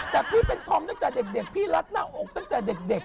แต่พี่เป็นธอมตั้งแต่เด็กพี่รัดหน้าอกตั้งแต่เด็ก